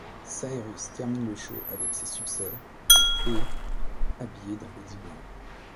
Cyrus termine le show avec ses succès ', et ' habillée d'un body blanc.